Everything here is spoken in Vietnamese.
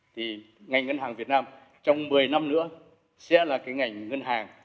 thì ngành ngân hàng việt nam trong một mươi năm nữa sẽ là cái ngành ngân hàng